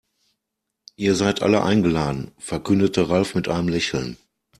Ihr seid alle eingeladen, verkündete Ralf mit einem Lächeln.